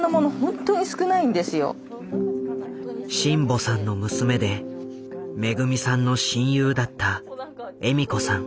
眞保さんの娘でめぐみさんの親友だった恵美子さん。